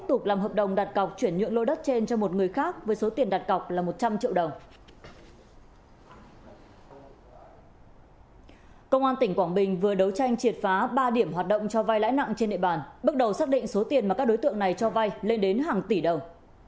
công an tỉnh quảng bình vừa đấu tranh triệt phá ba điểm hoạt động cho vai lãi nặng trên địa bàn bước đầu xác định số tiền mà các đối tượng này cho vay lên đến hàng tỷ đồng